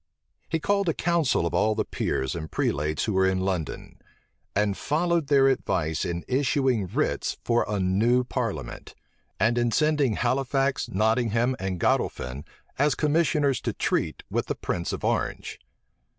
He called a council of all the peers and prelates who were in London; and followed their advice in issuing writs for a new parliament, and in sending Halifax, Nottingham, and Godolphin as commissioners to treat with the prince of Orange.